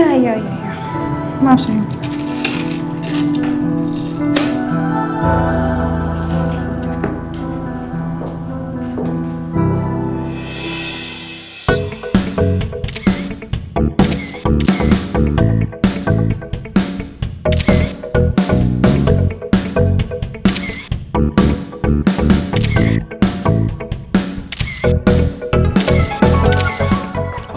kayak gue rusak